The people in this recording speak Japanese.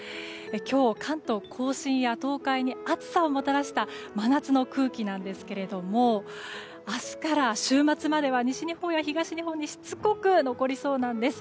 今日、関東・甲信や東海に暑さをもたらした真夏の空気なんですけれども明日から週末までは西日本や東日本にしつこく残りそうです。